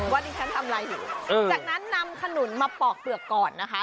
วันนี้ฉันทำอะไรอยู่จากนั้นนำขนุนมาปอกเปลือกก่อนนะคะ